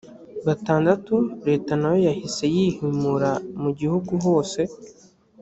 batandatu leta na yo yahise yihimura mu gihugu hose